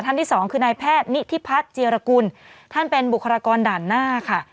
ที่สองคือนายแพทย์นิธิพัฒน์เจียรกุลท่านเป็นบุคลากรด่านหน้าค่ะ